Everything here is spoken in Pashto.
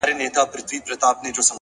هره تېروتنه د پوهې بیه ده!.